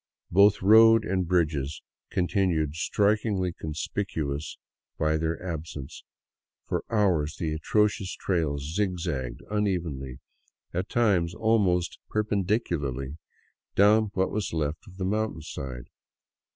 Both road and bridges con tinued strikingly conspicuous by their absence ; for hours the atrocious trail zigzagged unevenly, at times almost perpendicularly down what was left of the mountainside.